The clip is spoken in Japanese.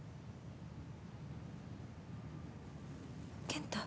健太？